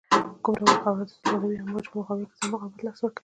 کوم ډول خاوره د زلزلوي امواجو په مقابل کې زر مقاومت له لاسه ورکوی